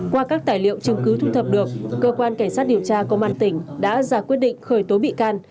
qua các tài liệu chứng cứ thu thập được cơ quan cảnh sát điều tra công an tỉnh đã ra quyết định khởi tố bị can